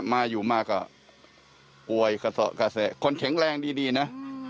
มาอยู่มาก็ป่วยกระแสคนแข็งแรงดีนะ